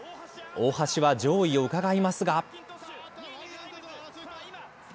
大橋は上位をうかがいますが。